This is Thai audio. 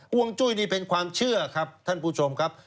ห่วงจุ้ยนี่เป็นความเชื่อครับท่านผู้ชมครับ